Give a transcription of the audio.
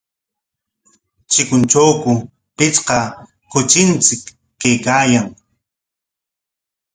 ¿Chikuntrawku pichqa kuchinchik kaykaayan?